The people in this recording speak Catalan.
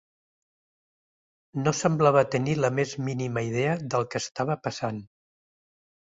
No semblava tenir la més mínima idea del que estava passant.